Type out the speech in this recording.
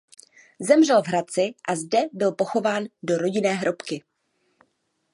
Zemřel v Hradci a zde byl pochován do rodinné hrobky.